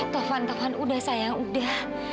taufan taufan udah sayang udah